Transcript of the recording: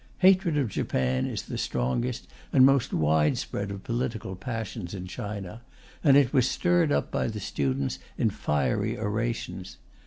Hatred of Japan is the strongest and most widespread of political passions in China, and it was stirred up by the students in fiery orations.